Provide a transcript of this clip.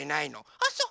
あっそう。